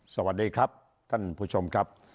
สวัสดีครับท่านผู้ชมครับ